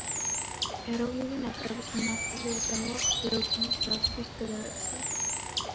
ეროვნული ნაკრების მმართველი ორგანოა ბელგიის რაგბის ფედერაცია.